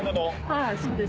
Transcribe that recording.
はいそうです。